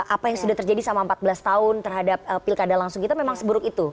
apa yang sudah terjadi selama empat belas tahun terhadap pilkada langsung kita memang seburuk itu